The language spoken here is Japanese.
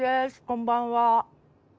こんばんは。